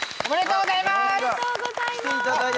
おめでとうございます。